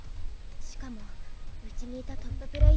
しかもうちにいたトッププレーヤーが敵に。